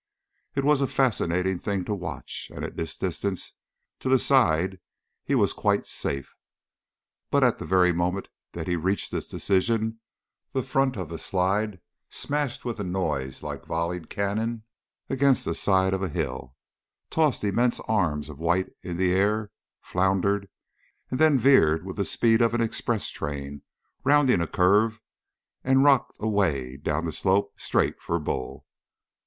It was a fascinating thing to watch, and at this distance to the side he was quite safe. But at the very moment that he reached this decision, the front of the slide smashed with a noise like volleyed canyon against the side of a hill, tossed immense arms of white in the air, floundered, and then veered with the speed of an express train rounding a curve and rocked away down the slope straight for Bull.